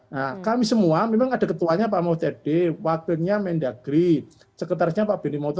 nah kami semua memang ada ketuanya pak mautede wakilnya mendagri sekretarisnya pak benny moto